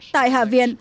tại hạ viện